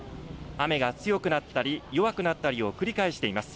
雨が強くなったり弱くなったりを繰り返しています。